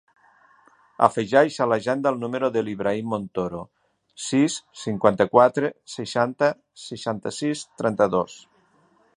Afegeix a l'agenda el número de l'Ibrahim Montoro: sis, cinquanta-quatre, seixanta, seixanta-sis, trenta-dos.